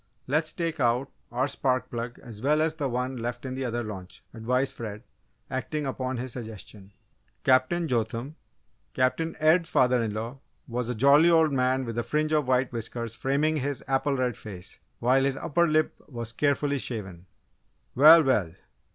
"Let's take out our spark plug as well as the one left in the other launch," advised Fred, acting upon his suggestion. Captain Jotham, Captain Ed's father in law, was a jolly old man with a fringe of white whiskers framing his apple red face, while his upper lip was carefully shaven. "Well, well!